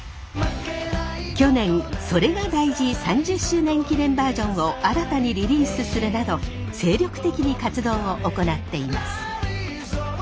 去年「それが大事」３０周年記念バージョンを新たにリリースするなど精力的に活動を行っています。